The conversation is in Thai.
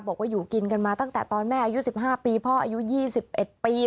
บอกว่าอยู่กินกันมาตั้งแต่ตอนแม่อายุสิบห้าปีพ่ออายุยี่สิบเอ็ดปี